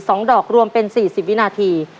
สองดอกรวมเป็น๔๐วินาที